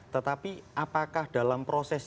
tetapi apakah dalam proses